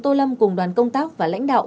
tô lâm cùng đoàn công tác và lãnh đạo